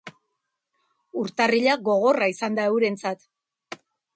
Urtarrila gogorra izan da eurentzat.